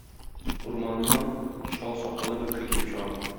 Урманнан чал сакаллы бер кеше килеп чыга.